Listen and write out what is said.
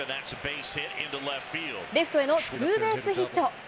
レフトへのツーベースヒット。